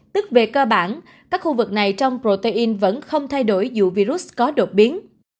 tức về cơ bản các khu vực này trong protein vẫn không thay đổi dụ virus có đột biến